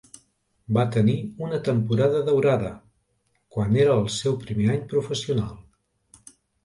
Va tenir una temporada "daurada", quan era el seu primer any professional.